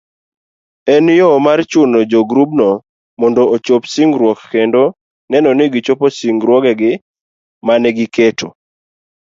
En yo mar chuno jogrubno mondo ochop singruokgi kendo neno ni gichopo singruogegi manegiketo